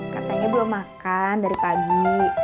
katanya belum makan dari pagi